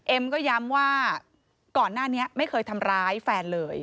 เอ็มก็ย้ำว่าก่อนหน้านี้ไม่เคยทำร้ายแฟนเลย